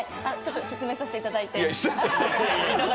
ちょっと説明させていただいて。